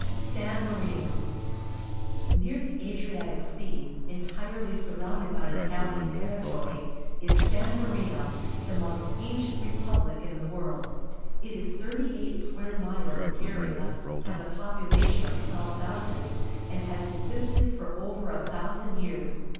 San Marino. — Near the Adriatic Sea, entirely surrounded by Itahan territory, is San__AJjjimp, the most ancient repubhc in the world. It is thirty eight square miles in area, has a population of 12.000 . and has existed for over a thousand years.